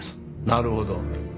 なるほど。